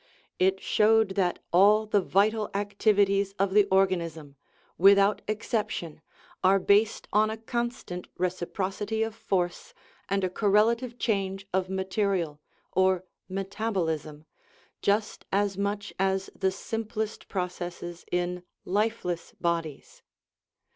It showed that all the vital activities of the organism without exception are based on a constant " reciprocity of force " and a correlative change of material, or metabolism, just as much as the simplest processes in " lifeless " bodies.